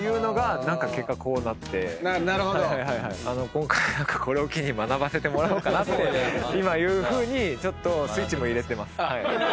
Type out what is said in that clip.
今回これを機に学ばせてもらおうかなってちょっとスイッチも入れてます。